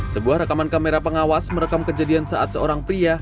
sebuah rekaman kamera pengawas merekam kejadian saat seorang pria